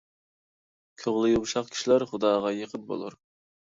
كۆڭلى يۇمشاق كىشىلەر خۇداغا يېقىن بولۇر.